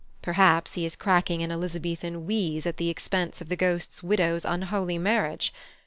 Perhaps he is cracking an Elizabethan wheeze at the expense of the Ghost's widow's unholy marriage.